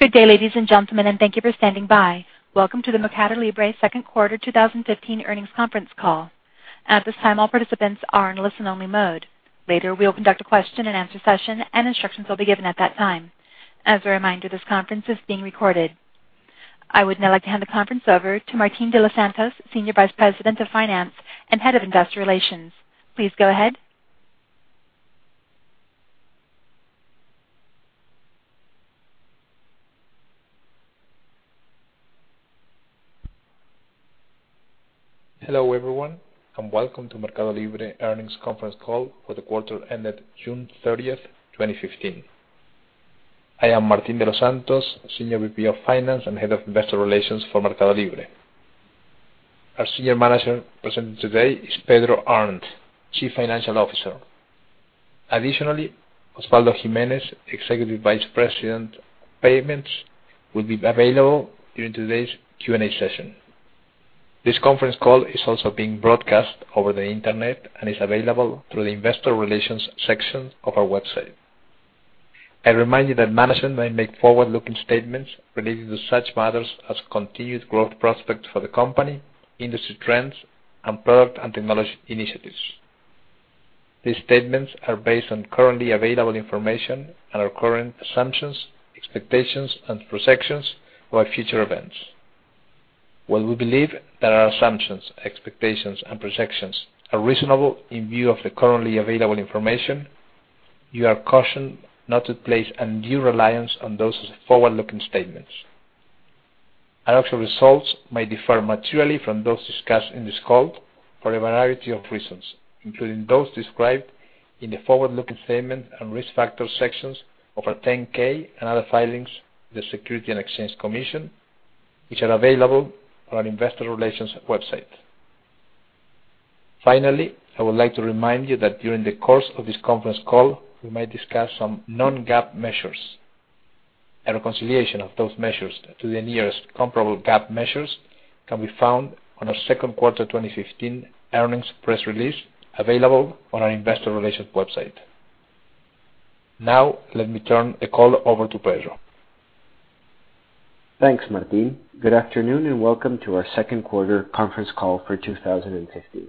Good day, ladies and gentlemen, and thank you for standing by. Welcome to the MercadoLibre second quarter 2015 earnings conference call. At this time, all participants are in listen-only mode. Later, we will conduct a question-and-answer session and instructions will be given at that time. As a reminder, this conference is being recorded. I would now like to hand the conference over to Martín de los Santos, Senior Vice President of Finance and Head of Investor Relations. Please go ahead. Hello, everyone, and welcome to MercadoLibre earnings conference call for the quarter ended June 30th, 2015. I am Martín de los Santos, Senior VP of Finance and Head of Investor Relations for MercadoLibre. Our senior manager presenting today is Pedro Arnt, Chief Financial Officer. Additionally, Osvaldo Gimenez, Executive Vice President of Payments, will be available during today's Q&A session. This conference call is also being broadcast over the internet and is available through the investor relations section of our website. I remind you that management may make forward-looking statements relating to such matters as continued growth prospects for the company, industry trends, and product and technology initiatives. These statements are based on currently available information and our current assumptions, expectations, and projections for future events. While we believe that our assumptions, expectations, and projections are reasonable in view of the currently available information, you are cautioned not to place undue reliance on those forward-looking statements. Our actual results may differ materially from those discussed in this call for a variety of reasons, including those described in the forward-looking statements and risk factors sections of our 10-K and other filings with the Securities and Exchange Commission, which are available on our investor relations website. Finally, I would like to remind you that during the course of this conference call, we may discuss some non-GAAP measures. A reconciliation of those measures to the nearest comparable GAAP measures can be found on our second quarter 2015 earnings press release available on our investor relations website. Now, let me turn the call over to Pedro. Thanks, Martin. Good afternoon, and welcome to our second quarter conference call for 2015.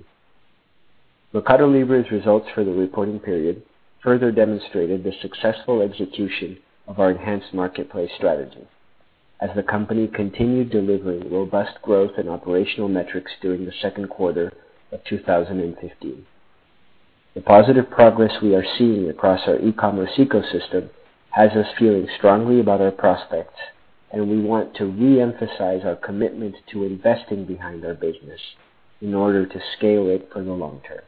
MercadoLibre's results for the reporting period further demonstrated the successful execution of our enhanced marketplace strategy as the company continued delivering robust growth and operational metrics during the second quarter of 2015. The positive progress we are seeing across our e-commerce ecosystem has us feeling strongly about our prospects, and we want to reemphasize our commitment to investing behind our business in order to scale it for the long term.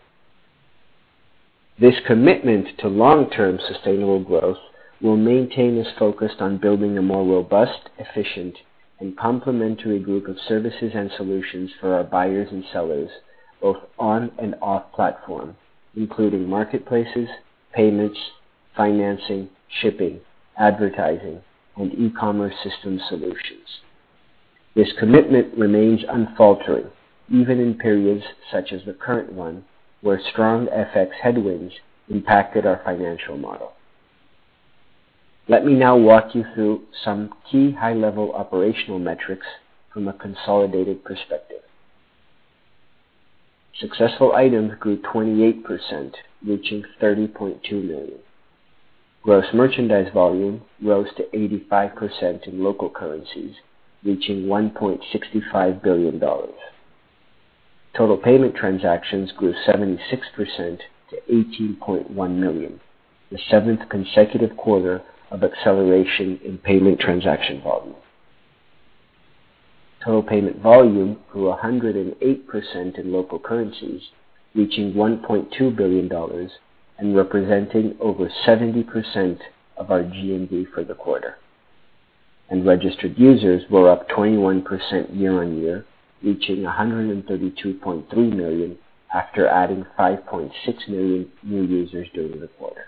This commitment to long-term sustainable growth will maintain us focused on building a more robust, efficient, and complementary group of services and solutions for our buyers and sellers, both on and off platform, including marketplaces, payments, financing, shipping, advertising, and e-commerce system solutions. This commitment remains unfaltering, even in periods such as the current one, where strong FX headwinds impacted our financial model. Let me now walk you through some key high-level operational metrics from a consolidated perspective. Successful items grew 28%, reaching 30.2 million. Gross merchandise volume rose to 85% in local currencies, reaching $1.65 billion. Total payment transactions grew 76% to 18.1 million, the seventh consecutive quarter of acceleration in payment transaction volume. Total payment volume grew 108% in local currencies, reaching $1.2 billion and representing over 70% of our GMV for the quarter. Registered users were up 21% year-on-year, reaching 132.3 million after adding 5.6 million new users during the quarter.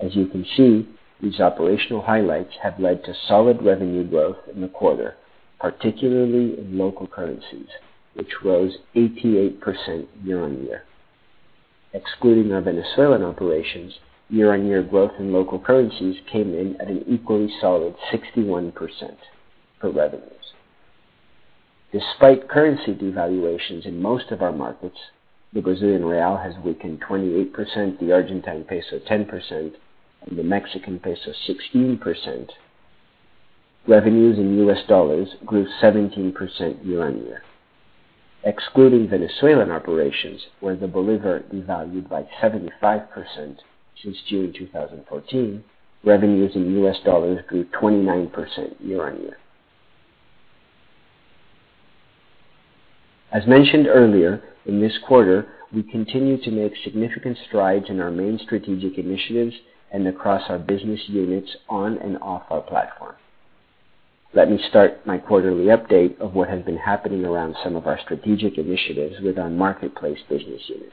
As you can see, these operational highlights have led to solid revenue growth in the quarter, particularly in local currencies, which rose 88% year-on-year. Excluding our Venezuelan operations, year-on-year growth in local currencies came in at an equally solid 61% for revenues. Despite currency devaluations in most of our markets, the BRL has weakened 28%, the ARS 10%, and the MXN 16%. Revenues in US dollars grew 17% year-on-year. Excluding Venezuelan operations, where the bolivar devalued by 75% since June 2014, revenues in US dollars grew 29% year-on-year. As mentioned earlier, in this quarter, we continued to make significant strides in our main strategic initiatives and across our business units on and off our platform. Let me start my quarterly update of what has been happening around some of our strategic initiatives with our marketplace business unit.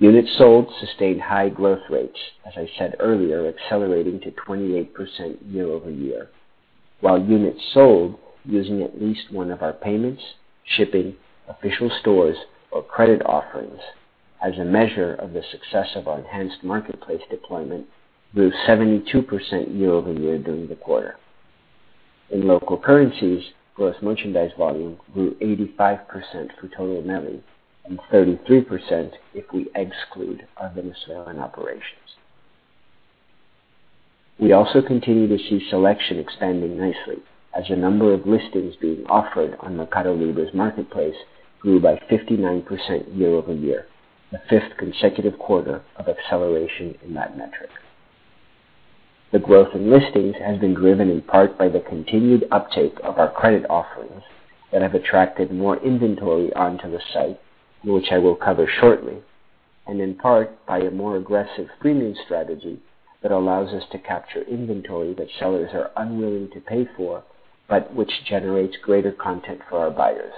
Units sold sustained high growth rates, as I said earlier, accelerating to 28% year-over-year. While units sold using at least one of our payments, shipping, official stores, or credit offerings as a measure of the success of our enhanced marketplace deployment grew 72% year-over-year during the quarter. In local currencies, gross merchandise volume grew 85% for total net, and 33% if we exclude our Venezuelan operations. We also continue to see selection expanding nicely as the number of listings being offered on Mercado Libre's marketplace grew by 59% year-over-year, the fifth consecutive quarter of acceleration in that metric. The growth in listings has been driven in part by the continued uptake of our credit offerings that have attracted more inventory onto the site, which I will cover shortly, and in part by a more aggressive premium strategy that allows us to capture inventory that sellers are unwilling to pay for, but which generates greater content for our buyers.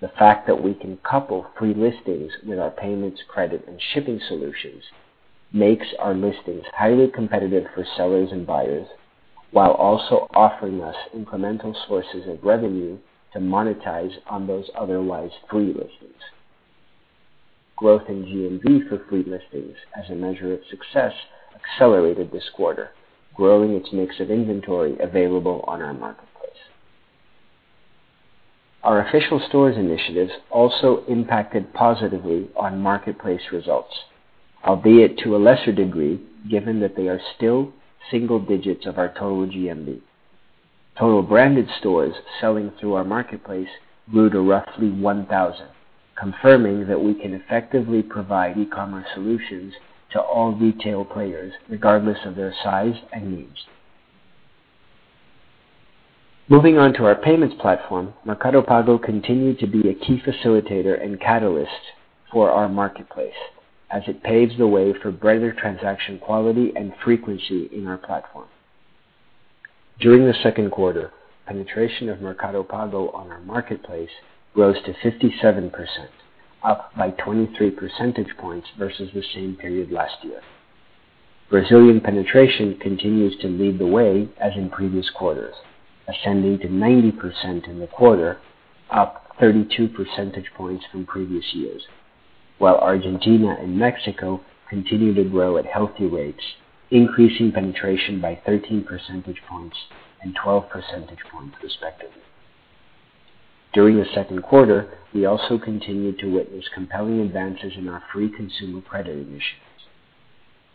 The fact that we can couple free listings with our payments, credit, and shipping solutions makes our listings highly competitive for sellers and buyers, while also offering us incremental sources of revenue to monetize on those otherwise free listings. Growth in GMV for free listings as a measure of success accelerated this quarter, growing its mix of inventory available on our marketplace. Our official stores initiatives also impacted positively on marketplace results, albeit to a lesser degree, given that they are still single digits of our total GMV. Total branded stores selling through our marketplace grew to roughly 1,000, confirming that we can effectively provide e-commerce solutions to all retail players, regardless of their size and needs. Moving on to our payments platform, Mercado Pago continued to be a key facilitator and catalyst for our marketplace as it paves the way for brighter transaction quality and frequency in our platform. During the second quarter, penetration of Mercado Pago on our marketplace rose to 57%, up by 23 percentage points versus the same period last year. Brazilian penetration continues to lead the way as in previous quarters, ascending to 90% in the quarter, up 32 percentage points from previous years, while Argentina and Mexico continue to grow at healthy rates, increasing penetration by 13 percentage points and 12 percentage points respectively. During the second quarter, we also continued to witness compelling advances in our free consumer credit initiatives.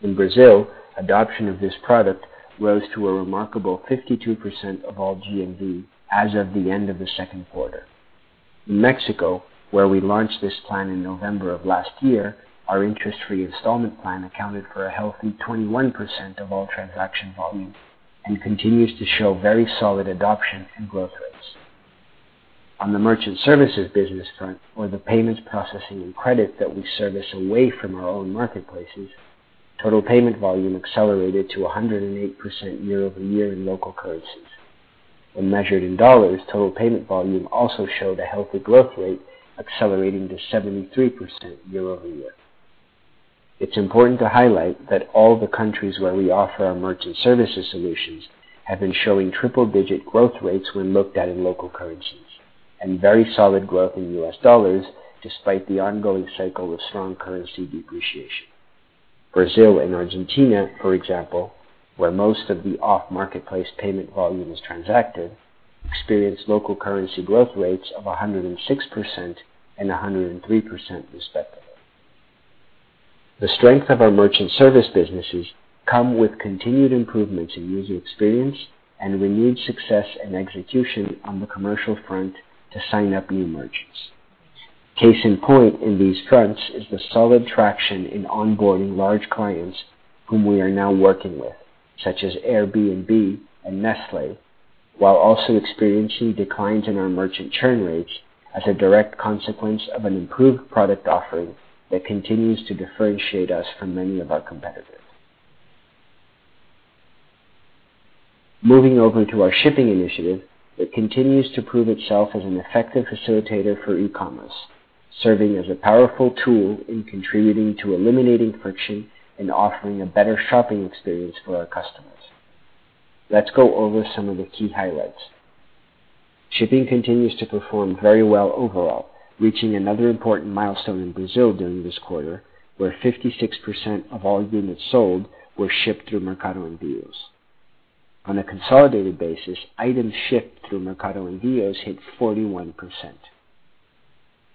In Brazil, adoption of this product rose to a remarkable 52% of all GMV as of the end of the second quarter. In Mexico, where we launched this plan in November of last year, our interest-free installment plan accounted for a healthy 21% of all transaction volume and continues to show very solid adoption and growth rates. On the merchant services business front or the payments processing and credit that we service away from our own marketplaces, total payment volume accelerated to 108% year-over-year in local currencies. When measured in USD, total payment volume also showed a healthy growth rate, accelerating to 73% year-over-year. It's important to highlight that all the countries where we offer our merchant services solutions have been showing triple-digit growth rates when looked at in local currencies, and very solid growth in US dollars despite the ongoing cycle of strong currency depreciation. Brazil and Argentina, for example, where most of the off-marketplace payment volume is transacted, experienced local currency growth rates of 106% and 103% respectively. The strength of our merchant service businesses come with continued improvements in user experience and renewed success and execution on the commercial front to sign up new merchants. Case in point in these fronts is the solid traction in onboarding large clients whom we are now working with, such as Airbnb and Nestlé, while also experiencing declines in our merchant churn rates as a direct consequence of an improved product offering that continues to differentiate us from many of our competitors. Moving over to our shipping initiative, it continues to prove itself as an effective facilitator for e-commerce, serving as a powerful tool in contributing to eliminating friction and offering a better shopping experience for our customers. Let's go over some of the key highlights. Shipping continues to perform very well overall, reaching another important milestone in Brazil during this quarter, where 56% of all units sold were shipped through Mercado Envios. On a consolidated basis, items shipped through Mercado Envios hit 41%.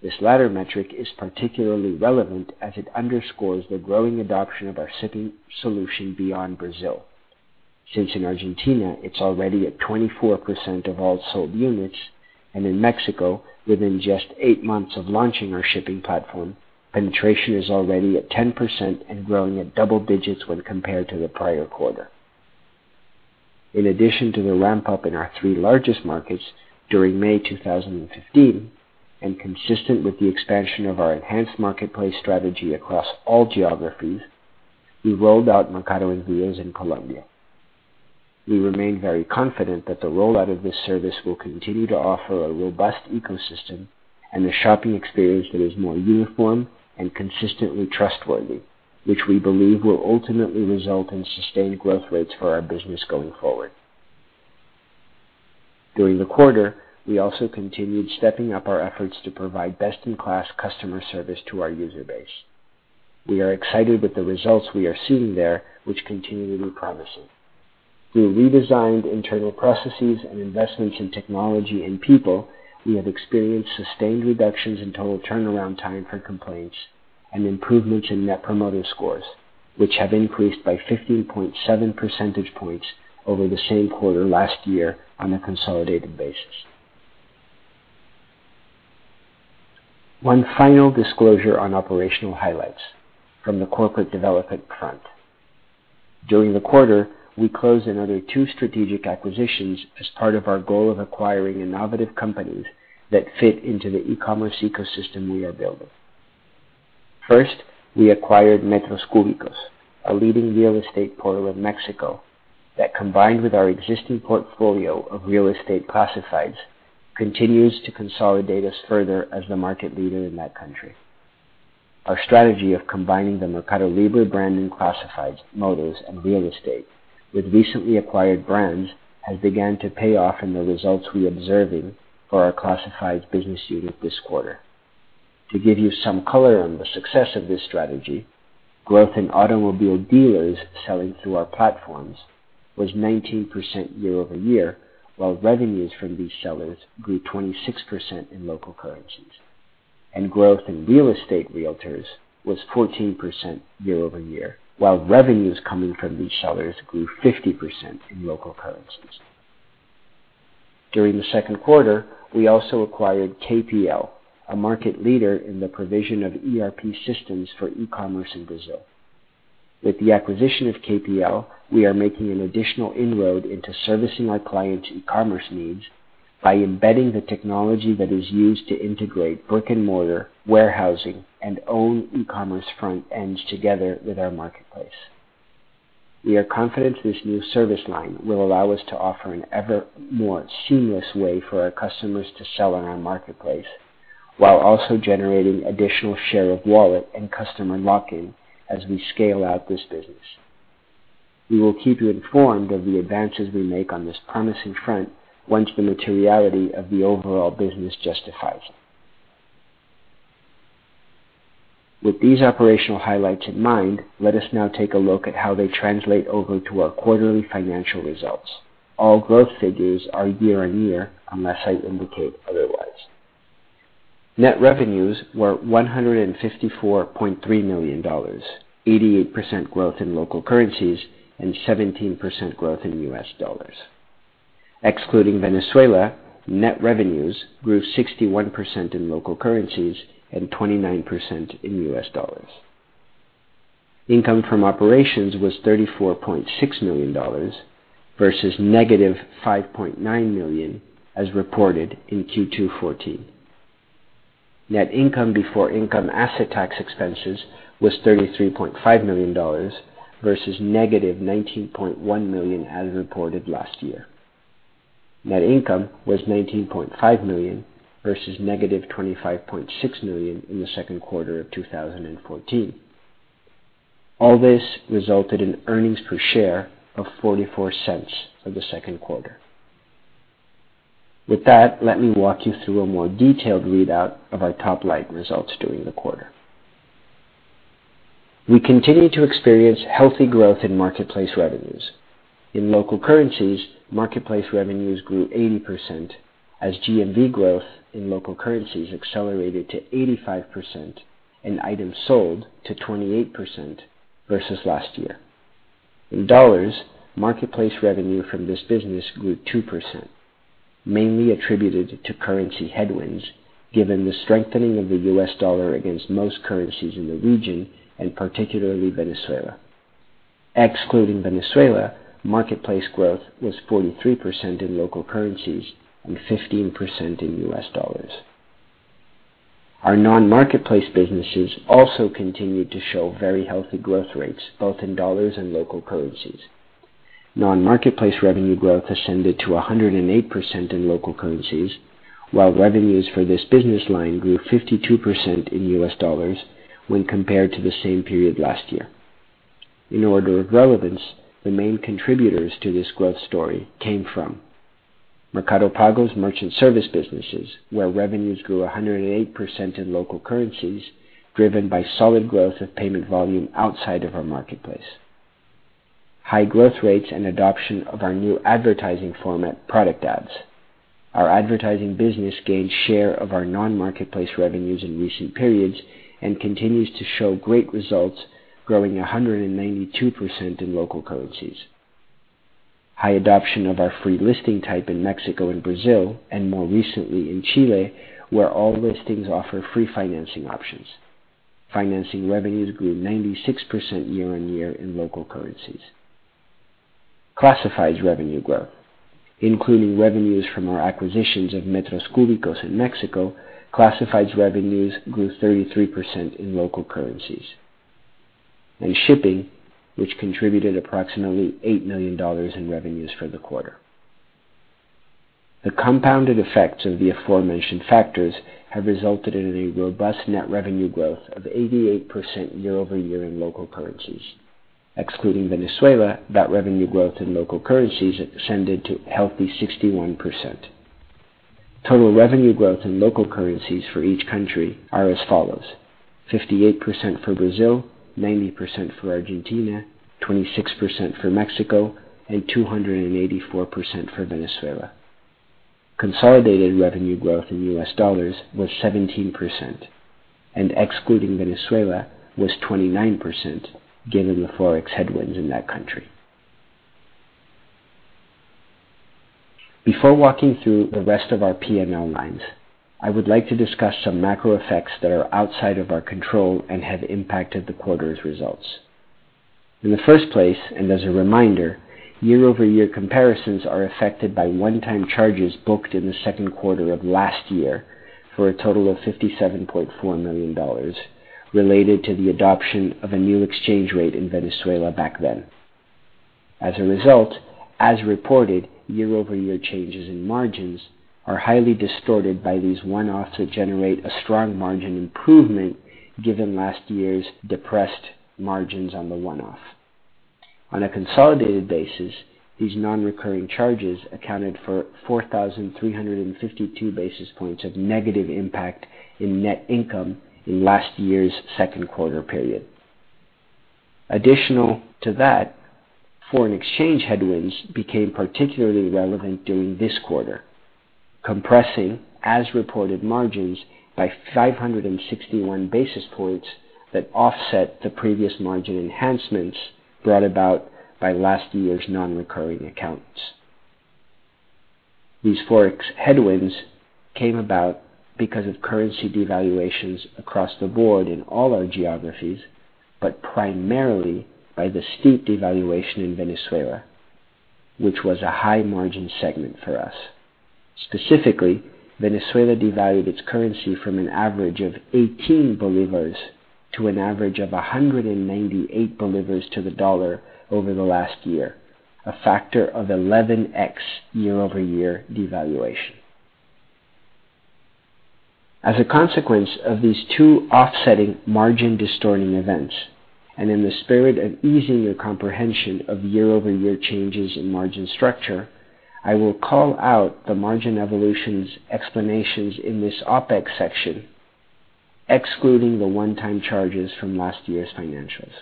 This latter metric is particularly relevant as it underscores the growing adoption of our shipping solution beyond Brazil. Since in Argentina, it's already at 24% of all sold units, and in Mexico, within just eight months of launching our shipping platform, penetration is already at 10% and growing at double digits when compared to the prior quarter. In addition to the ramp-up in our three largest markets during May 2015, and consistent with the expansion of our enhanced marketplace strategy across all geographies, we rolled out Mercado Envios in Colombia. We remain very confident that the rollout of this service will continue to offer a robust ecosystem. A shopping experience that is more uniform and consistently trustworthy, which we believe will ultimately result in sustained growth rates for our business going forward. During the quarter, we also continued stepping up our efforts to provide best-in-class customer service to our user base. We are excited with the results we are seeing there, which continue to be promising. Through redesigned internal processes and investments in technology and people, we have experienced sustained reductions in total turnaround time for complaints and improvements in Net Promoter Scores, which have increased by 15.7 percentage points over the same quarter last year on a consolidated basis. One final disclosure on operational highlights from the corporate development front. During the quarter, we closed another two strategic acquisitions as part of our goal of acquiring innovative companies that fit into the e-commerce ecosystem we are building. First, we acquired Metros Cúbicos, a leading real estate portal in Mexico that, combined with our existing portfolio of real estate classifieds, continues to consolidate us further as the market leader in that country. Our strategy of combining the Mercado Libre brand in classifieds, motors, and real estate with recently acquired brands has begun to pay off in the results we're observing for our classifieds business unit this quarter. To give you some color on the success of this strategy, growth in automobile dealers selling through our platforms was 19% year-over-year, while revenues from these sellers grew 26% in local currencies, and growth in real estate realtors was 14% year-over-year, while revenues coming from these sellers grew 50% in local currencies. During the second quarter, we also acquired KPL, a market leader in the provision of ERP systems for e-commerce in Brazil. With the acquisition of KPL, we are making an additional inroad into servicing our clients' e-commerce needs by embedding the technology that is used to integrate brick-and-mortar warehousing and own e-commerce front ends together with our marketplace. We are confident this new service line will allow us to offer an ever more seamless way for our customers to sell on our marketplace, while also generating additional share of wallet and customer lock-in as we scale out this business. We will keep you informed of the advances we make on this promising front once the materiality of the overall business justifies it. With these operational highlights in mind, let us now take a look at how they translate over to our quarterly financial results. All growth figures are year-on-year, unless I indicate otherwise. Net revenues were $154.3 million, 88% growth in local currencies, and 17% growth in U.S. dollars. Excluding Venezuela, net revenues grew 61% in local currencies and 29% in U.S. dollars. Income from operations was $34.6 million versus negative $5.9 million as reported in Q2 2014. Net income before income asset tax expenses was $33.5 million versus negative $19.1 million as reported last year. Net income was $19.5 million versus negative $25.6 million in the second quarter of 2014. All this resulted in earnings per share of $0.44 for the second quarter. With that, let me walk you through a more detailed readout of our top-line results during the quarter. We continue to experience healthy growth in marketplace revenues. In local currencies, marketplace revenues grew 80% as GMV growth in local currencies accelerated to 85% and items sold to 28% versus last year. In dollars, marketplace revenue from this business grew 2%, mainly attributed to currency headwinds given the strengthening of the U.S. dollar against most currencies in the region, and particularly Venezuela. Excluding Venezuela, marketplace growth was 43% in local currencies and 15% in U.S. dollars. Our non-marketplace businesses also continued to show very healthy growth rates, both in dollars and local currencies. Non-marketplace revenue growth ascended to 108% in local currencies, while revenues for this business line grew 52% in US dollars when compared to the same period last year. In order of relevance, the main contributors to this growth story came from Mercado Pago's merchant service businesses, where revenues grew 108% in local currencies, driven by solid growth of payment volume outside of our marketplace. High growth rates and adoption of our new advertising format, Product Ads. Our advertising business gained share of our non-marketplace revenues in recent periods and continues to show great results, growing 192% in local currencies. High adoption of our free listing type in Mexico and Brazil, and more recently in Chile, where all listings offer free financing options. Financing revenues grew 96% year-on-year in local currencies. Classifieds revenue growth, including revenues from our acquisitions of Metros Cúbicos in Mexico, classifieds revenues grew 33% in local currencies. Shipping, which contributed approximately $8 million in revenues for the quarter. The compounded effects of the aforementioned factors have resulted in a robust net revenue growth of 88% year-over-year in local currencies. Excluding Venezuela, that revenue growth in local currencies ascended to a healthy 61%. Total revenue growth in local currencies for each country are as follows: 58% for Brazil, 90% for Argentina, 26% for Mexico, and 284% for Venezuela. Consolidated revenue growth in US dollars was 17%, and excluding Venezuela was 29%, given the Forex headwinds in that country. Before walking through the rest of our P&L lines, I would like to discuss some macro effects that are outside of our control and have impacted the quarter's results. In the first place, and as a reminder, year-over-year comparisons are affected by one-time charges booked in the second quarter of last year for a total of $57.4 million related to the adoption of a new exchange rate in Venezuela back then. As a result, as reported, year-over-year changes in margins are highly distorted by these one-offs that generate a strong margin improvement given last year's depressed margins on the one-off. On a consolidated basis, these non-recurring charges accounted for 4,352 basis points of negative impact in net income in last year's second quarter period. Additional to that, foreign exchange headwinds became particularly relevant during this quarter, compressing as-reported margins by 561 basis points that offset the previous margin enhancements brought about by last year's non-recurring accounts. These Forex headwinds came about because of currency devaluations across the board in all our geographies, but primarily by the steep devaluation in Venezuela, which was a high-margin segment for us. Specifically, Venezuela devalued its currency from an average of 18 bolivars to an average of 198 bolivars to the dollar over the last year. A factor of 11x year-over-year devaluation. As a consequence of these two offsetting margin distorting events, and in the spirit of easing your comprehension of year-over-year changes in margin structure, I will call out the margin evolutions explanations in this OPEX section, excluding the one-time charges from last year's financials.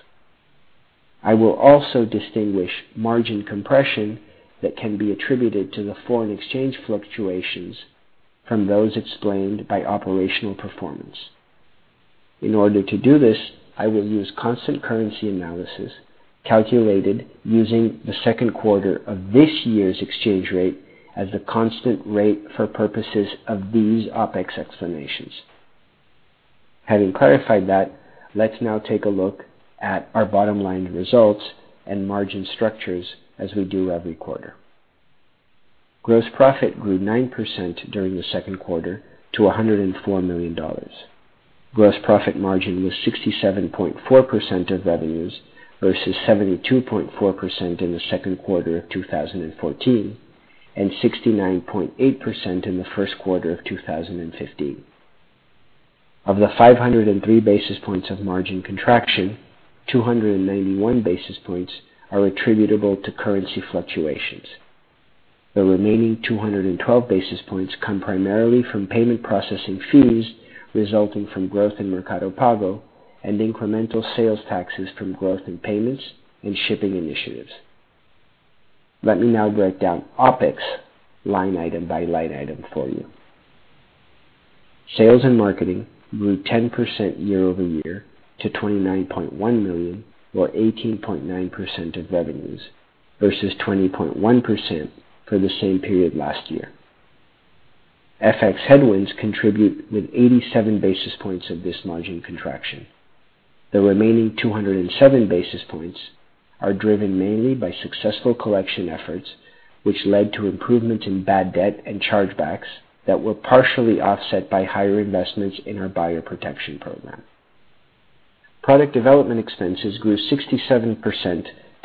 I will also distinguish margin compression that can be attributed to the foreign exchange fluctuations from those explained by operational performance. In order to do this, I will use constant currency analysis calculated using the second quarter of this year's exchange rate as the constant rate for purposes of these OpEx explanations. Having clarified that, let's now take a look at our bottom-line results and margin structures as we do every quarter. Gross profit grew 9% during the second quarter to $104 million. Gross profit margin was 67.4% of revenues versus 72.4% in the second quarter of 2014 and 69.8% in the first quarter of 2015. Of the 503 basis points of margin contraction, 291 basis points are attributable to currency fluctuations. The remaining 212 basis points come primarily from payment processing fees resulting from growth in Mercado Pago and incremental sales taxes from growth in payments and shipping initiatives. Let me now break down OpEx line item by line item for you. Sales and marketing grew 10% year-over-year to $29.1 million or 18.9% of revenues, versus 20.1% for the same period last year. FX headwinds contribute with 87 basis points of this margin contraction. The remaining 207 basis points are driven mainly by successful collection efforts, which led to improvements in bad debt and charge-backs that were partially offset by higher investments in our buyer protection program. Product development expenses grew 67%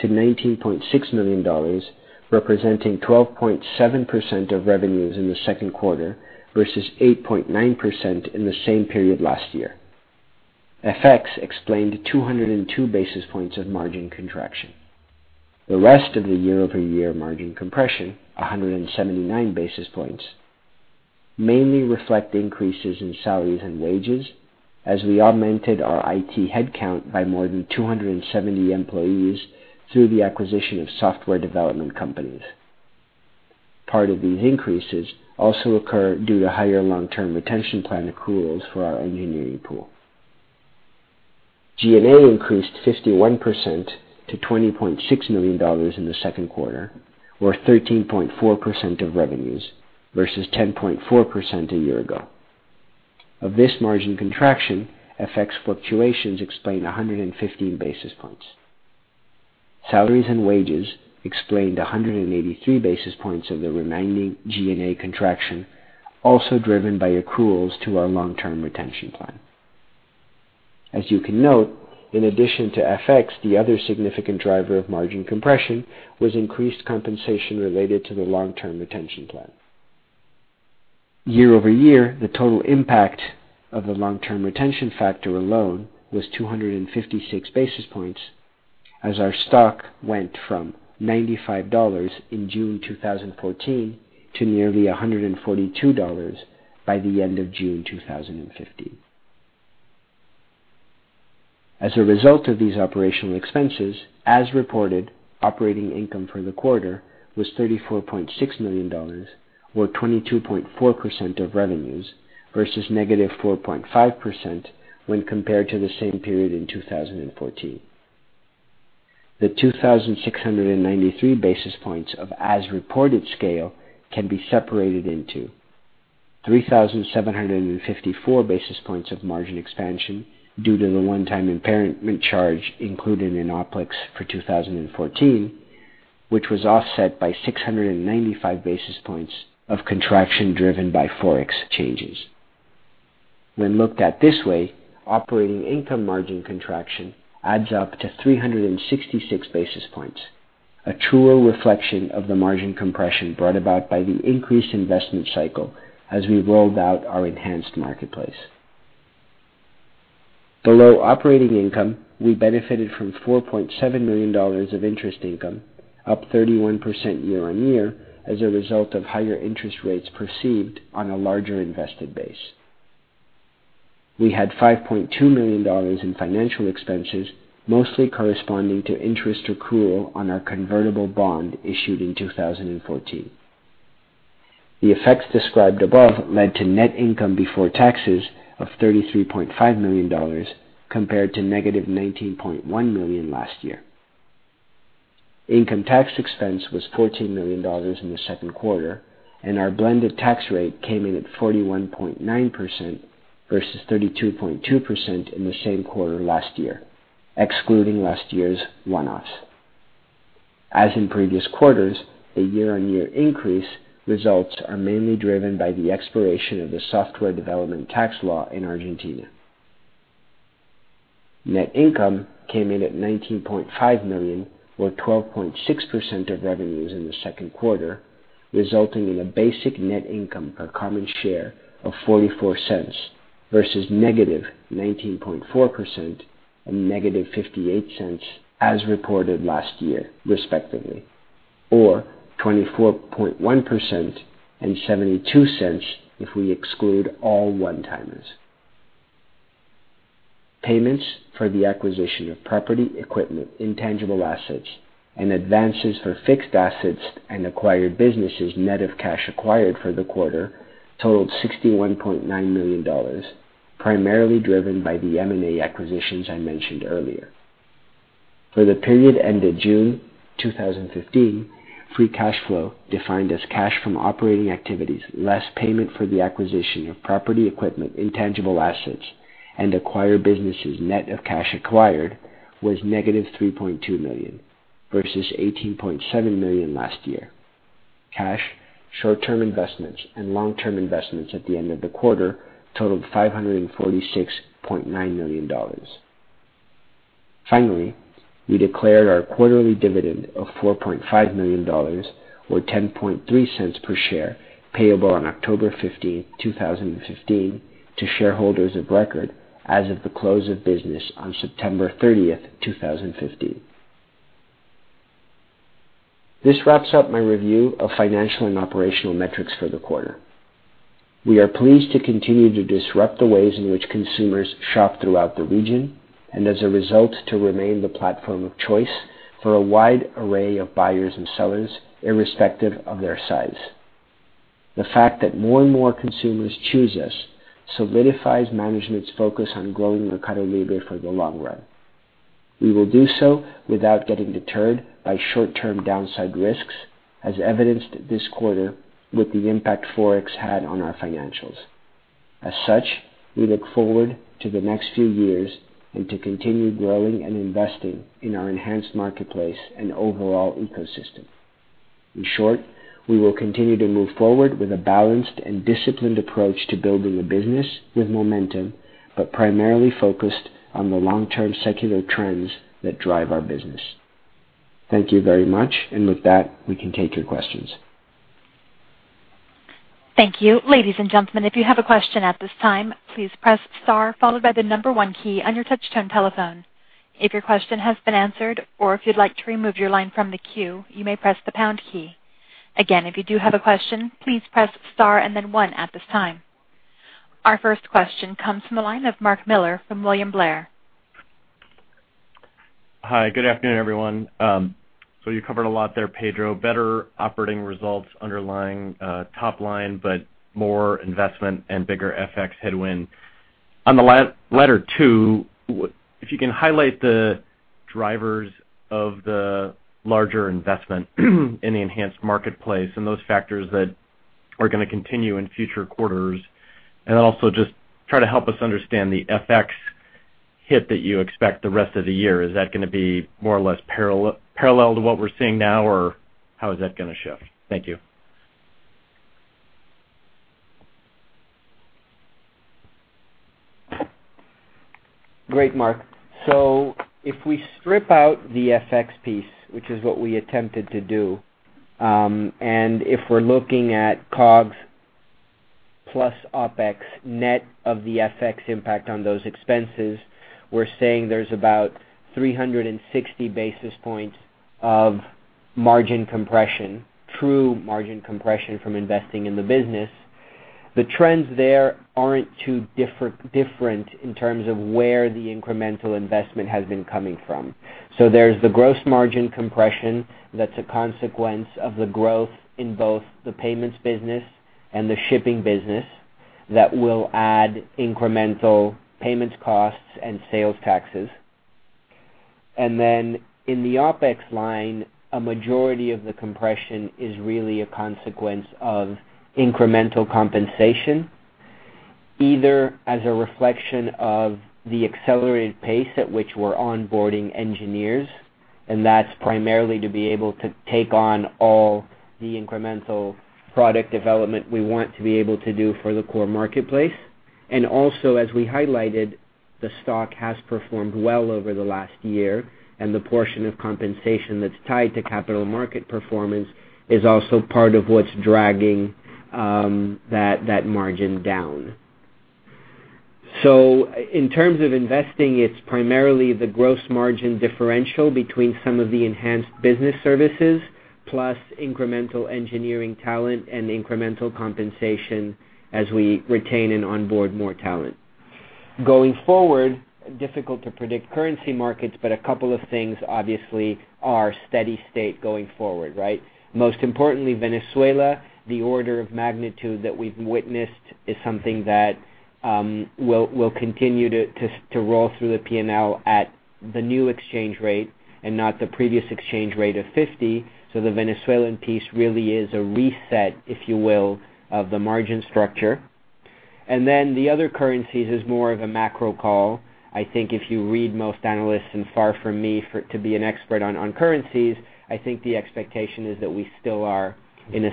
to $19.6 million, representing 12.7% of revenues in the second quarter versus 8.9% in the same period last year. FX explained 202 basis points of margin contraction. The rest of the year-over-year margin compression, 179 basis points, mainly reflect increases in salaries and wages as we augmented our IT headcount by more than 270 employees through the acquisition of software development companies. Part of these increases also occur due to higher long-term retention plan accruals for our engineering pool. G&A increased 51% to $20.6 million in the second quarter, or 13.4% of revenues, versus 10.4% a year ago. Of this margin contraction, FX fluctuations explain 115 basis points. Salaries and wages explained 183 basis points of the remaining G&A contraction, also driven by accruals to our long-term retention plan. As you can note, in addition to FX, the other significant driver of margin compression was increased compensation related to the long-term retention plan. Year-over-year, the total impact of the long-term retention factor alone was 256 basis points as our stock went from $95 in June 2014 to nearly $142 by the end of June 2015. As a result of these operational expenses, as reported, operating income for the quarter was $34.6 million, or 22.4% of revenues, versus negative 4.5% when compared to the same period in 2014. The 2,693 basis points of as-reported scale can be separated into 3,754 basis points of margin expansion due to the one-time impairment charge included in OPEX for 2014, which was offset by 695 basis points of contraction driven by Forex changes. When looked at this way, operating income margin contraction adds up to 366 basis points, a truer reflection of the margin compression brought about by the increased investment cycle as we rolled out our enhanced marketplace. Below operating income, we benefited from $4.7 million of interest income, up 31% year-on-year, as a result of higher interest rates perceived on a larger invested base. We had $5.2 million in financial expenses, mostly corresponding to interest accrual on our convertible bond issued in 2014. The effects described above led to net income before taxes of $33.5 million compared to negative $19.1 million last year. Income tax expense was $14 million in the second quarter, and our blended tax rate came in at 41.9% versus 32.2% in the same quarter last year, excluding last year's one-offs. As in previous quarters, the year-on-year increase results are mainly driven by the expiration of the software development tax law in Argentina. Net income came in at $19.5 million or 12.6% of revenues in the second quarter, resulting in a basic net income per common share of $0.44 versus -19.4% and -$0.58 as reported last year, respectively, or 24.1% and $0.72 if we exclude all one-timers. Payments for the acquisition of property, equipment, intangible assets, and advances for fixed assets and acquired businesses net of cash acquired for the quarter totaled $61.9 million, primarily driven by the M&A acquisitions I mentioned earlier. For the period ended June 2015, free cash flow defined as cash from operating activities less payment for the acquisition of property, equipment, intangible assets, and acquired businesses net of cash acquired was -$3.2 million versus $18.7 million last year. Cash, short-term investments, and long-term investments at the end of the quarter totaled $546.9 million. Finally, we declared our quarterly dividend of $4.5 million, or $0.103 per share, payable on October 15, 2015, to shareholders of record as of the close of business on September 30, 2015. This wraps up my review of financial and operational metrics for the quarter. We are pleased to continue to disrupt the ways in which consumers shop throughout the region and, as a result, to remain the platform of choice for a wide array of buyers and sellers, irrespective of their size. The fact that more and more consumers choose us solidifies management's focus on growing MercadoLibre for the long run. We will do so without getting deterred by short-term downside risks, as evidenced this quarter with the impact Forex had on our financials. As such, we look forward to the next few years and to continue growing and investing in our enhanced marketplace and overall ecosystem. In short, we will continue to move forward with a balanced and disciplined approach to building a business with momentum, but primarily focused on the long-term secular trends that drive our business. Thank you very much. With that, we can take your questions. Thank you. Ladies and gentlemen, if you have a question at this time, please press star followed by the number 1 key on your touch-tone telephone. If your question has been answered or if you'd like to remove your line from the queue, you may press the pound key. Again, if you do have a question, please press star and then 1 at this time. Our first question comes from the line of Mark Miller from William Blair. Hi. Good afternoon, everyone. You covered a lot there, Pedro. Better operating results underlying top line, more investment and bigger FX headwind. On the latter two, if you can highlight the drivers of the larger investment in the enhanced marketplace and those factors that are going to continue in future quarters? Also just try to help us understand the FX hit that you expect the rest of the year. Is that going to be more or less parallel to what we're seeing now, or how is that going to shift? Thank you. Great, Mark. If we strip out the FX piece, which is what we attempted to do, if we're looking at COGS plus OPEX, net of the FX impact on those expenses, we're saying there's about 360 basis points of margin compression, true margin compression from investing in the business. The trends there aren't too different in terms of where the incremental investment has been coming from. There's the gross margin compression that's a consequence of the growth in both the payments business and the shipping business that will add incremental payments costs and sales taxes. In the OPEX line, a majority of the compression is really a consequence of incremental compensation, either as a reflection of the accelerated pace at which we're onboarding engineers, that's primarily to be able to take on all the incremental product development we want to be able to do for the core marketplace. Also, as we highlighted, the stock has performed well over the last year, the portion of compensation that's tied to capital market performance is also part of what's dragging that margin down. In terms of investing, it's primarily the gross margin differential between some of the enhanced business services, plus incremental engineering talent and incremental compensation as we retain and onboard more talent. Going forward, difficult to predict currency markets, a couple of things obviously are steady state going forward, right? Most importantly, Venezuela, the order of magnitude that we've witnessed is something that will continue to roll through the P&L at the new exchange rate and not the previous exchange rate of 50. The Venezuelan piece really is a reset, if you will, of the margin structure. The other currencies is more of a macro call. I think if you read most analysts, far from me to be an expert on currencies, I think the expectation is that we still are in a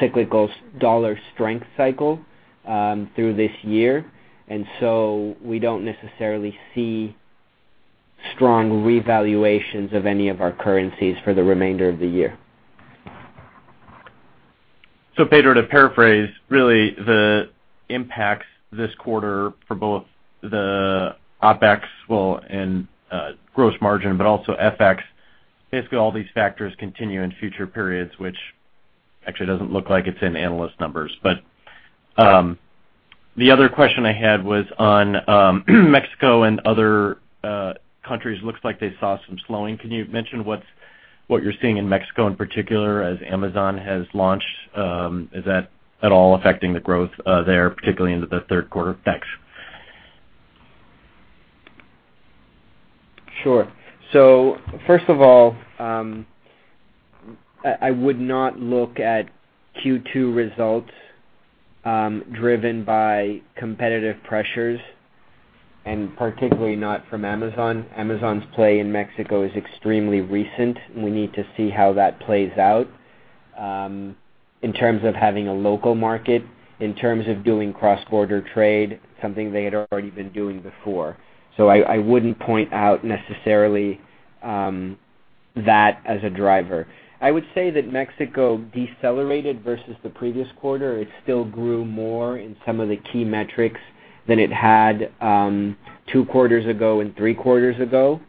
cyclical dollar strength cycle through this year. We don't necessarily see strong revaluations of any of our currencies for the remainder of the year. Pedro, to paraphrase, really the impacts this quarter for both the OPEX and gross margin, also FX, basically all these factors continue in future periods, which actually doesn't look like it's in analyst numbers. The other question I had was on Mexico and other countries, looks like they saw some slowing. Can you mention what you're seeing in Mexico in particular, as Amazon has launched? Is that at all affecting the growth there, particularly into the third quarter? Thanks. Sure. First of all, I would not look at Q2 results driven by competitive pressures, and particularly not from Amazon. Amazon's play in Mexico is extremely recent, and we need to see how that plays out, in terms of having a local market, in terms of doing cross-border trade, something they had already been doing before. I wouldn't point out necessarily that as a driver. I would say that Mexico decelerated versus the previous quarter. It still grew more in some of the key metrics than it had two quarters ago and three quarters ago.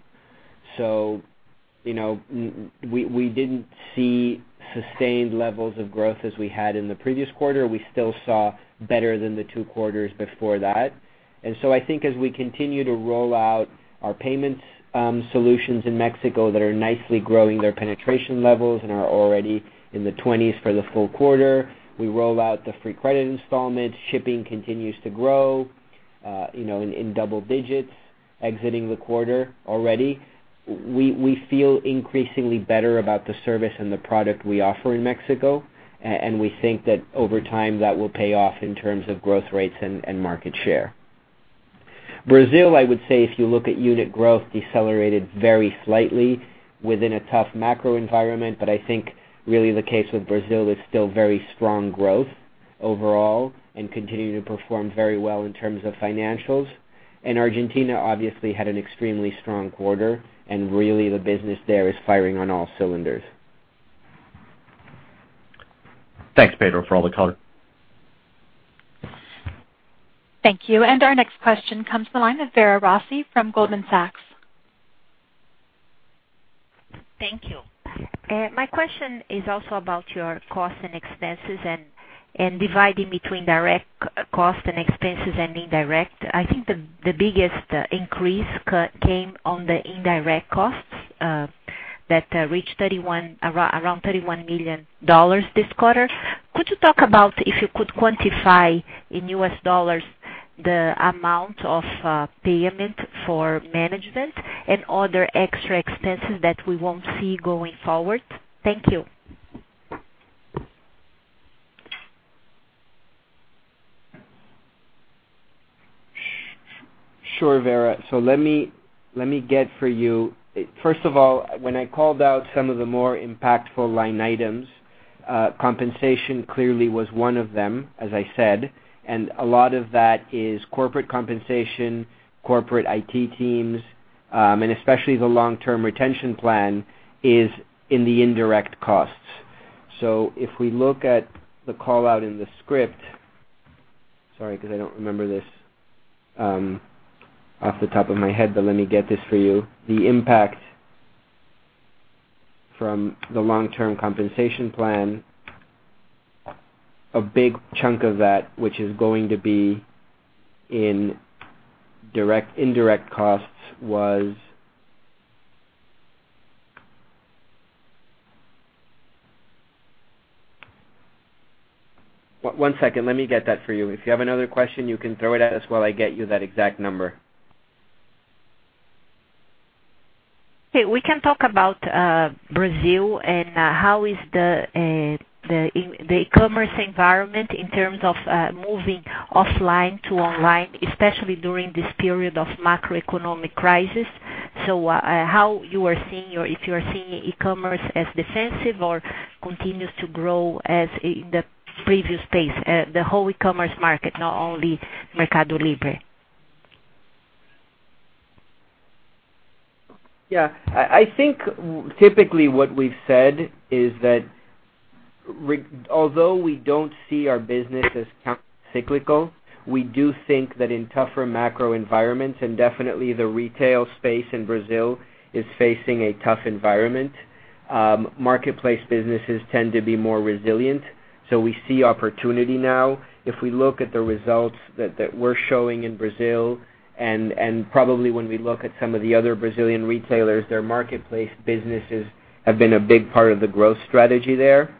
We didn't see sustained levels of growth as we had in the previous quarter. We still saw better than the two quarters before that. I think as we continue to roll out our payments solutions in Mexico that are nicely growing their penetration levels and are already in the 20s for the full quarter, we roll out the free credit installments, shipping continues to grow in double digits exiting the quarter already. We feel increasingly better about the service and the product we offer in Mexico, and we think that over time, that will pay off in terms of growth rates and market share. Brazil, I would say if you look at unit growth, decelerated very slightly within a tough macro environment, I think really the case with Brazil is still very strong growth overall and continue to perform very well in terms of financials. Argentina obviously had an extremely strong quarter, and really the business there is firing on all cylinders. Thanks, Pedro, for all the color. Thank you. Our next question comes to the line of Vera Rossi from Goldman Sachs. Thank you. My question is also about your costs and expenses and dividing between direct costs and expenses and indirect. I think the biggest increase came on the indirect costs that reached around $31 million this quarter. Could you talk about if you could quantify in US dollars the amount of payment for management and other extra expenses that we won't see going forward? Thank you. Sure, Vera. First of all, when I called out some of the more impactful line items, compensation clearly was one of them, as I said, and a lot of that is corporate compensation, corporate IT teams, and especially the long-term retention plan is in the indirect costs. If we look at the call-out in the script. Sorry, because I don't remember this off the top of my head, but let me get this for you. The impact from the long-term compensation plan, a big chunk of that, which is going to be in indirect costs, was. One second. Let me get that for you. If you have another question, you can throw it at us while I get you that exact number. Okay, we can talk about Brazil and how is the e-commerce environment in terms of moving offline to online, especially during this period of macroeconomic crisis. How you are seeing, or if you are seeing e-commerce as defensive or continues to grow as in the previous phase, the whole e-commerce market, not only MercadoLibre. I think typically what we've said is that although we don't see our business as cyclical, we do think that in tougher macro environments, definitely the retail space in Brazil is facing a tough environment. Marketplace businesses tend to be more resilient, we see opportunity now. We look at the results that we're showing in Brazil, probably when we look at some of the other Brazilian retailers, their marketplace businesses have been a big part of the growth strategy there.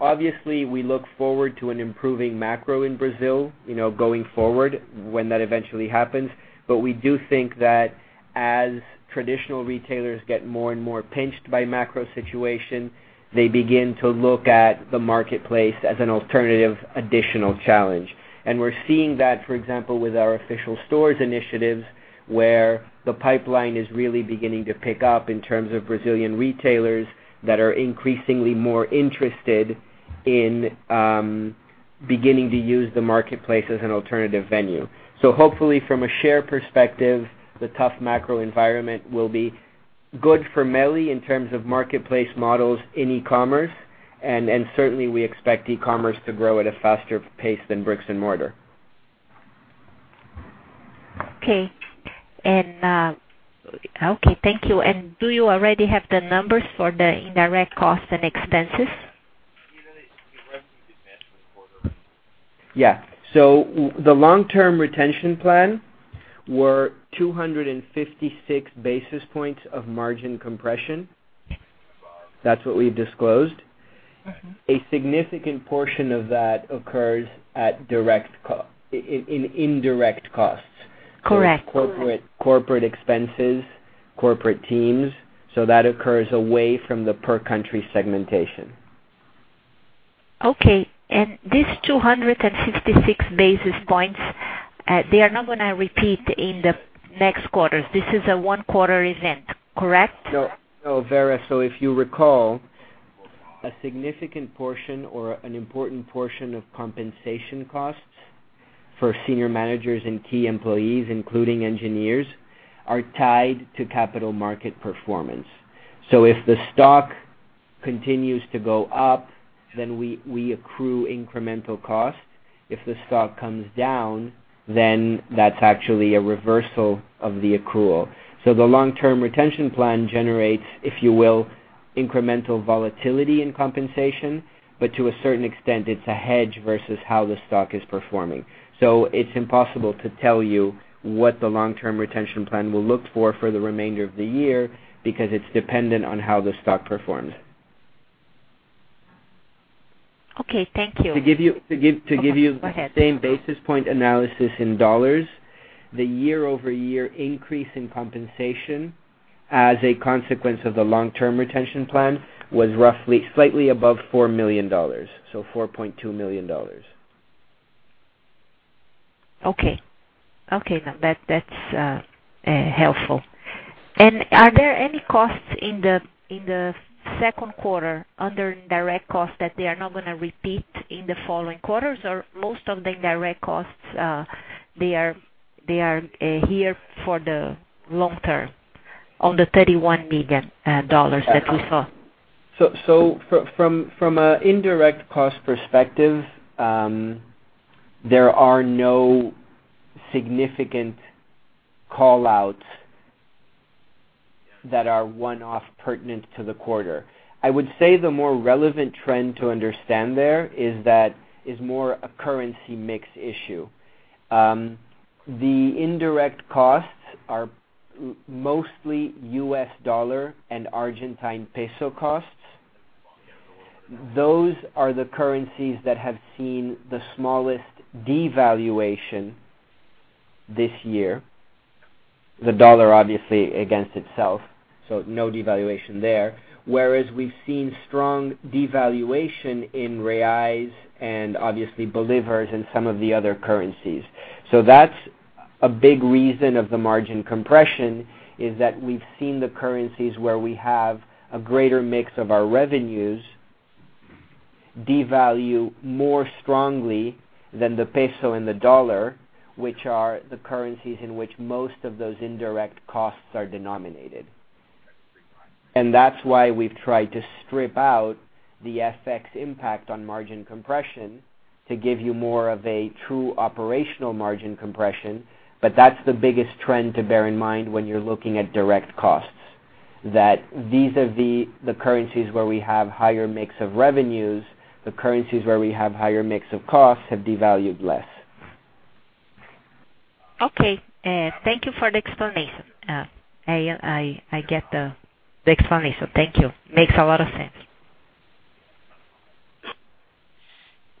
Obviously, we look forward to an improving macro in Brazil, going forward when that eventually happens. We do think that as traditional retailers get more and more pinched by macro situation, they begin to look at the marketplace as an alternative additional challenge. We're seeing that, for example, with our official stores initiatives, where the pipeline is really beginning to pick up in terms of Brazilian retailers that are increasingly more interested in beginning to use the marketplace as an alternative venue. Hopefully, from a share perspective, the tough macro environment will be good for MELI in terms of marketplace models in e-commerce. Certainly we expect e-commerce to grow at a faster pace than bricks and mortar. Thank you. Do you already have the numbers for the indirect costs and expenses? The long-term retention plan were 256 basis points of margin compression. That's what we've disclosed. A significant portion of that occurs in indirect costs. Correct. Corporate expenses, corporate teams. That occurs away from the per-country segmentation. Okay. These 256 basis points, they are not going to repeat in the next quarters. This is a one-quarter event, correct? No, Vera. If you recall, a significant portion or an important portion of compensation costs for senior managers and key employees, including engineers, are tied to capital market performance. If the stock continues to go up, then we accrue incremental costs. If the stock comes down, then that's actually a reversal of the accrual. The long-term retention plan generates, if you will, incremental volatility in compensation. To a certain extent, it's a hedge versus how the stock is performing. It's impossible to tell you what the long-term retention plan will look for for the remainder of the year, because it's dependent on how the stock performs. Okay, thank you. To give you- Go ahead. The same basis point analysis in dollars, the year-over-year increase in compensation as a consequence of the long-term retention plan was roughly slightly above $4 million, $4.2 million. Okay. That's helpful. Are there any costs in the second quarter under indirect costs that they are not going to repeat in the following quarters? Most of the indirect costs, they are here for the long term, on the $31 million that we saw. From a indirect cost perspective, there are no significant call-outs that are one-off pertinent to the quarter. I would say the more relevant trend to understand there is more a currency mix issue. The indirect costs are mostly US dollar and Argentine peso costs. Those are the currencies that have seen the smallest devaluation this year. The dollar, obviously, against itself, so no devaluation there. Whereas we've seen strong devaluation in reais and obviously bolivars and some of the other currencies. That's a big reason of the margin compression, is that we've seen the currencies where we have a greater mix of our revenues devalue more strongly than the peso and the dollar, which are the currencies in which most of those indirect costs are denominated. That's why we've tried to strip out the FX impact on margin compression to give you more of a true operational margin compression. That's the biggest trend to bear in mind when you're looking at direct costs, that these are the currencies where we have higher mix of revenues. The currencies where we have higher mix of costs have devalued less. Okay. Thank you for the explanation. I get the explanation. Thank you. Makes a lot of sense.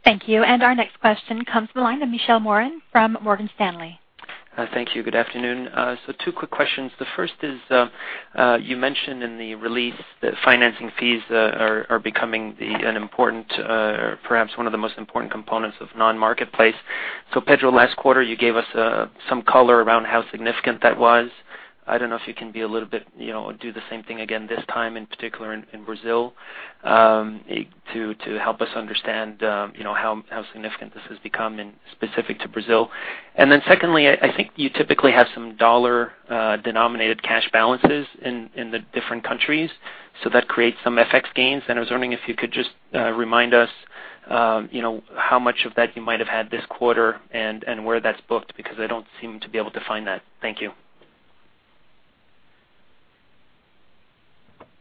Thank you. Our next question comes from the line of Michelle Moran from Morgan Stanley. Thank you. Good afternoon. Two quick questions. The first is, you mentioned in the release that financing fees are becoming an important, perhaps one of the most important components of non-marketplace. Pedro, last quarter, you gave us some color around how significant that was. I don't know if you can do the same thing again this time, in particular in Brazil, to help us understand how significant this has become specific to Brazil. Secondly, I think you typically have some dollar-denominated cash balances in the different countries, so that creates some FX gains. I was wondering if you could just remind us how much of that you might have had this quarter and where that's booked, because I don't seem to be able to find that. Thank you.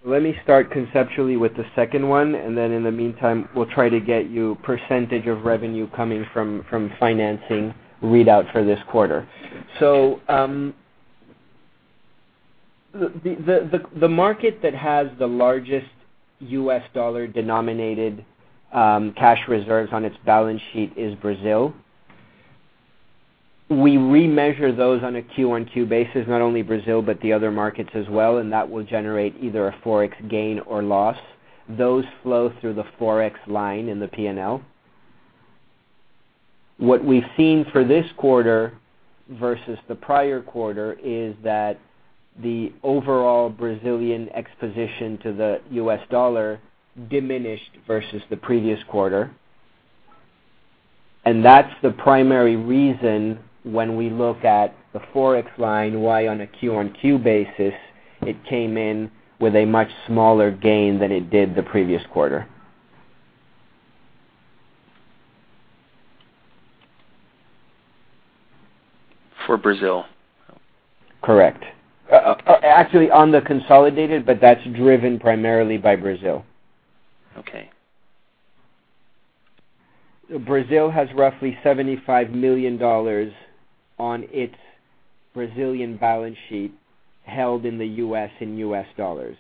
Let me start conceptually with the second one, in the meantime, we'll try to get you percentage of revenue coming from financing readout for this quarter. The market that has the largest US dollar-denominated cash reserves on its balance sheet is Brazil. We remeasure those on a Q-on-Q basis, not only Brazil, but the other markets as well, and that will generate either a Forex gain or loss. Those flow through the Forex line in the P&L. What we've seen for this quarter versus the prior quarter is that the overall Brazilian exposition to the US dollar diminished versus the previous quarter. That's the primary reason when we look at the Forex line, why on a Q-on-Q basis, it came in with a much smaller gain than it did the previous quarter. For Brazil? Correct. Actually, on the consolidated, that's driven primarily by Brazil. Okay. Brazil has roughly $75 million on its Brazilian balance sheet held in the U.S. in U.S. dollars.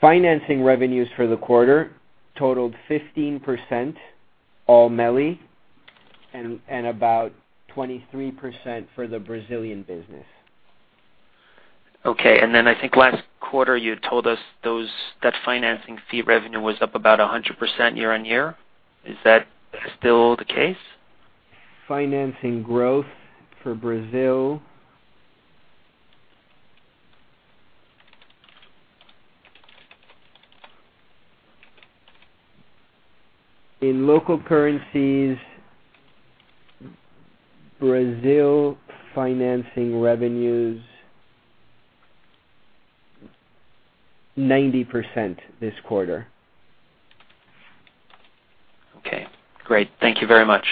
Financing revenues for the quarter totaled 15%, all MELI, and about 23% for the Brazilian business. Okay. I think last quarter you had told us that financing fee revenue was up about 100% year-on-year. Is that still the case? Financing growth for Brazil. In local currencies, Brazil financing revenues, 90% this quarter. Okay, great. Thank you very much.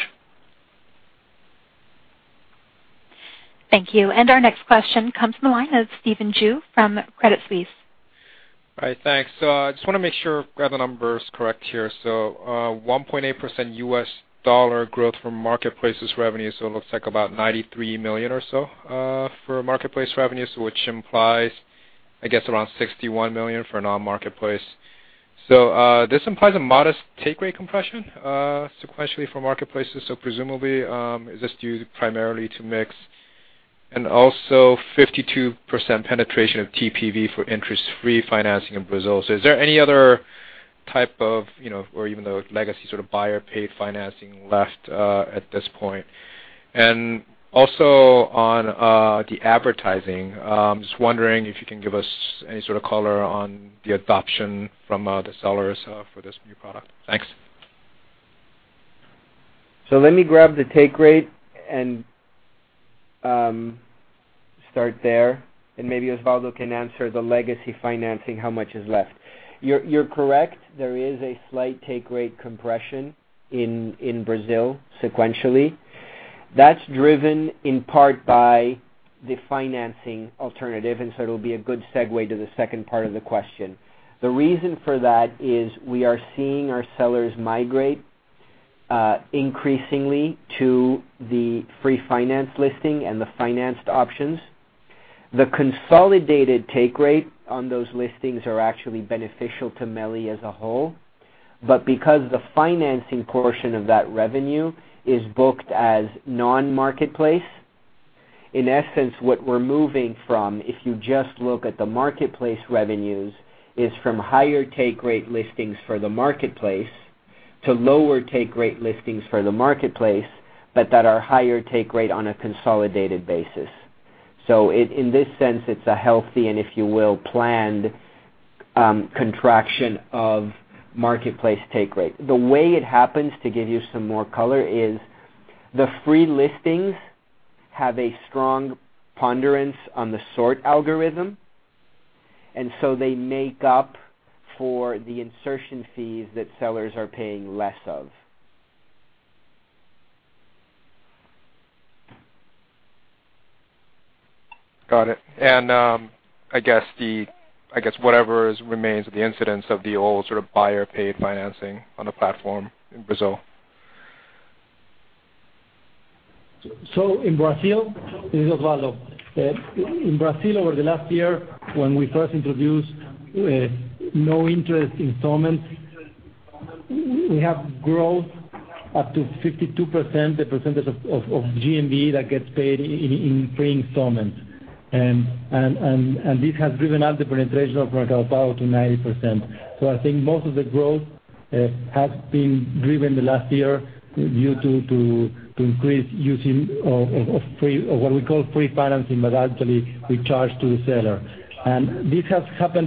Thank you. Our next question comes from the line of Steven Ju from Credit Suisse. All right, thanks. Just want to make sure I've got the numbers correct here. 1.8% US dollar growth from Marketplace's revenues. It looks like about $93 million or so for Marketplace revenues, which implies, I guess, around $61 million for non-marketplace. This implies a modest take rate compression sequentially for Marketplace. Presumably, is this due primarily to mix and also 52% penetration of TPV for interest-free financing in Brazil. Is there any other type of, or even the legacy sort of buyer-paid financing left at this point? Also on the advertising, just wondering if you can give us any sort of color on the adoption from the sellers for this new product. Thanks. Let me grab the take rate and start there, and maybe Osvaldo can answer the legacy financing, how much is left. You're correct. There is a slight take rate compression in Brazil sequentially. That's driven in part by the financing alternative. It'll be a good segue to the second part of the question. The reason for that is we are seeing our sellers migrate increasingly to the free finance listing and the financed options. The consolidated take rate on those listings are actually beneficial to MELI as a whole. Because the financing portion of that revenue is booked as non-marketplace, in essence, what we're moving from, if you just look at the marketplace revenues, is from higher take rate listings for the marketplace to lower take rate listings for the marketplace, but that are higher take rate on a consolidated basis. In this sense, it's a healthy and, if you will, planned, contraction of marketplace take rate. The way it happens, to give you some more color, is the free listings have a strong ponderance on the sort algorithm, and so they make up for the insertion fees that sellers are paying less of. Got it. I guess whatever remains of the incidence of the old sort of buyer-paid financing on the platform in Brazil. In Brazil, this is Osvaldo. In Brazil, over the last year when we first introduced no-interest installments, we have growth up to 52%, the percentage of GMV that gets paid in free installments. This has driven up the penetration of Mercado Pago to 90%. I think most of the growth has been driven the last year due to increased using of what we call free financing, but actually we charge to the seller. This has started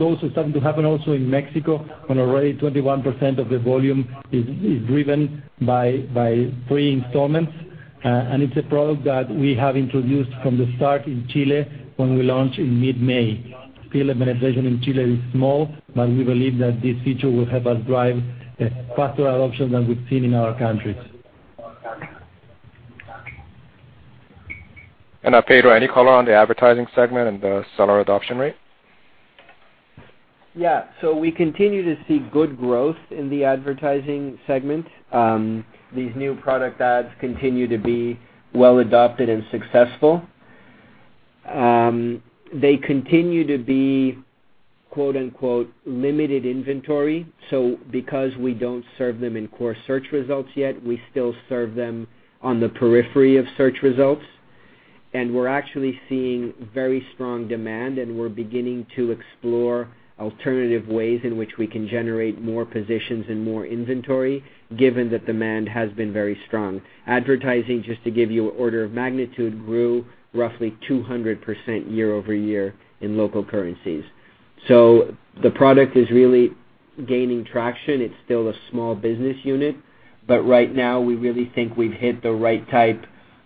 to happen also in Mexico, when already 21% of the volume is driven by free installments. It's a product that we have introduced from the start in Chile when we launch in mid-May. Still, the penetration in Chile is small, but we believe that this feature will help us drive faster adoption than we've seen in our countries. Pedro, any color on the advertising segment and the seller adoption rate? Yeah. We continue to see good growth in the advertising segment. These new Product Ads continue to be well-adopted and successful. They continue to be "limited inventory." Because we don't serve them in core search results yet, we still serve them on the periphery of search results. We're actually seeing very strong demand, and we're beginning to explore alternative ways in which we can generate more positions and more inventory, given that demand has been very strong. Advertising, just to give you an order of magnitude, grew roughly 200% year-over-year in local currencies. The product is really gaining traction. It's still a small business unit, but right now we really think we've hit the right type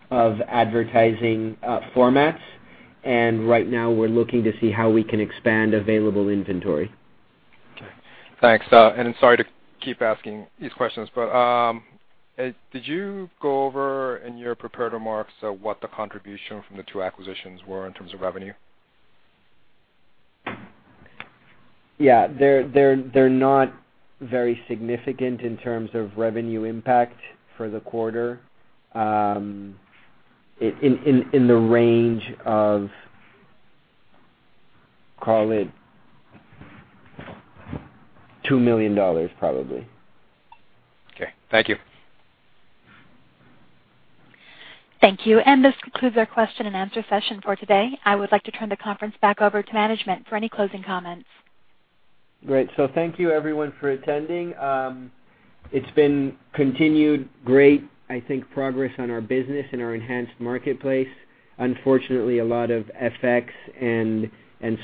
of advertising formats. Right now we're looking to see how we can expand available inventory. Okay. Thanks. I'm sorry to keep asking these questions, did you go over in your prepared remarks what the contribution from the two acquisitions were in terms of revenue? Yeah. They're not very significant in terms of revenue impact for the quarter. In the range of, call it, $2 million probably. Okay. Thank you. Thank you. This concludes our question and answer session for today. I would like to turn the conference back over to management for any closing comments. Great. Thank you everyone for attending. It's been continued great, I think, progress on our business and our enhanced marketplace. Unfortunately, a lot of FX and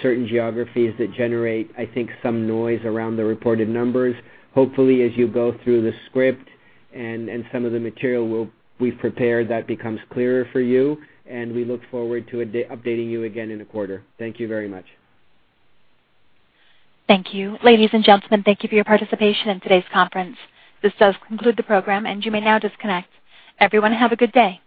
certain geographies that generate, I think, some noise around the reported numbers. Hopefully, as you go through the script and some of the material we've prepared, that becomes clearer for you, and we look forward to updating you again in a quarter. Thank you very much. Thank you. Ladies and gentlemen, thank you for your participation in today's conference. This does conclude the program, and you may now disconnect. Everyone, have a good day.